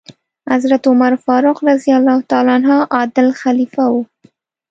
حضرت عمر فاروق رض عادل خلیفه و.